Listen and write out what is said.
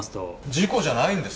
事故じゃないんですか？